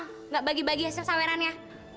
nggak bagi bagi hasil sawelannya